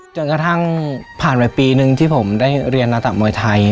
จนกระทั่งผ่านไปปีนึงที่ผมได้เรียนนาตักมวยไทย